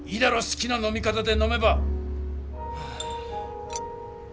すきな飲み方で飲めば！